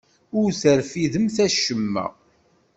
Ur terfidem acemma.